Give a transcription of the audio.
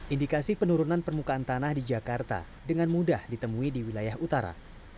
indikasi penurunan permukaan tanah di jakarta dengan mudah ditemui di wilayah utara